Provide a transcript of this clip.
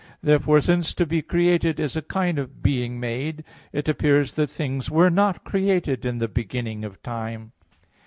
Therefore, since to be created is a kind of "being made," it appears that things were not created in the beginning of time.